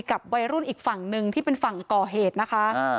กับวัยรุ่นอีกฝั่งหนึ่งที่เป็นฝั่งก่อเหตุนะคะ